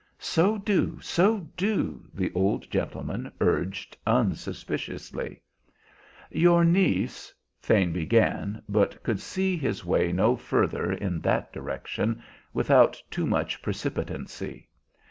"So do, so do," the old gentleman urged unsuspiciously. "Your niece" Thane began, but could see his way no further in that direction without too much precipitancy.